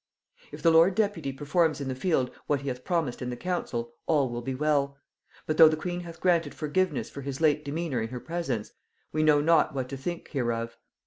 "If the lord deputy performs in the field what he hath promised in the council, all will be well; but though the queen hath granted forgiveness for his late demeanour in her presence; we know not what to think hereof.